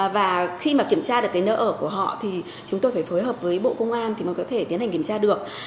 và khi mà kiểm tra được cái nơi ở của họ thì chúng tôi phải phối hợp với bộ công an thì mới có thể tiến hành kiểm tra được